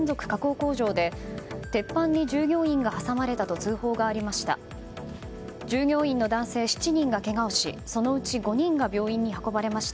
工場で鉄板に従業員が挟まれたと通報がありました。